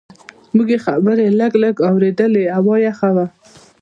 موږ یې خبرې لږ لږ اورېدلې، هوا یخه وه.